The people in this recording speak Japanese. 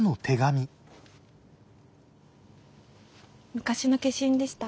昔の消印でした。